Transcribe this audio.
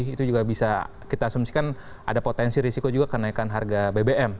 itu juga bisa kita asumsikan ada potensi risiko juga kenaikan harga bbm